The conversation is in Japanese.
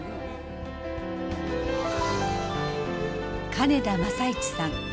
金田正一さん。